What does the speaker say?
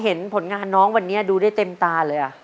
เห็นผลงานน้องวันนี้ดูได้เต็มตาเลย